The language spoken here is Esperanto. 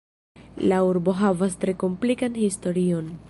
La urbo havas tre komplikan historion.